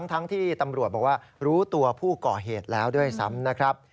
ทั้งที่ตำรวจบอกว่ารู้ตัวผู้ก่อเหตุแล้วด้วยซ้ำนะครับ